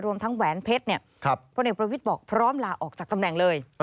รวมทั้งแหวนเพชรพลเอกประวิทย์บอกพร้อมลาออกจากตำแหน่งเลย